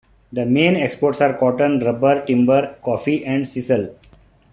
The main exports are cotton, rubber, timber, coffee, and sisal.